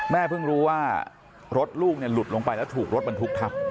แม่พึ่งรู้ว่ารถลูกเนี่ยหลุดลงไปแล้วถูกรถเป็นทุกทัพ